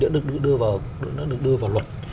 đã được đưa vào luật